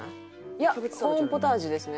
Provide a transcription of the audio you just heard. いやコーンポタージュですね。